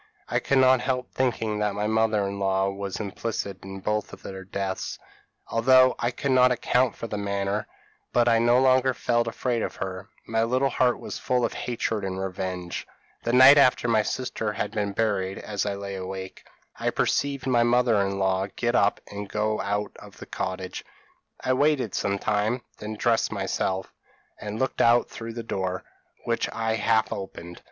I could not help thinking that my mother in law was implicated in both their deaths, although I could not account for the manner; but I no longer felt afraid of her; my little heart was full of hatred and revenge. "The night after my sister had been buried, as I lay awake, I perceived my mother in law get up and go out of the cottage. I waited some time, then dressed myself, and looked out through the door, which I half opened.